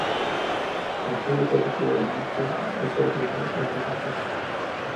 Azula se retira el mechón y esta vez lo hace perfecto.